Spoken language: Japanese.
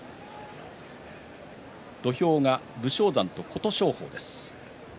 土俵が武将山と琴勝峰です。